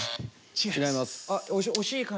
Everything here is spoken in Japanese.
違います。